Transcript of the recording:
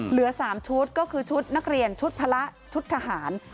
เหลือ๓ชุดก็คือชุดนักเรียนชุดพระชุดทหาร